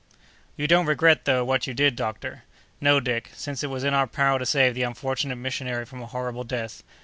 "You don't regret, though, what you did, doctor?" "No, Dick, since it was in our power to save that unfortunate missionary from a horrible death.